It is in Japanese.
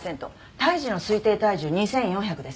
胎児の推定体重２４００です。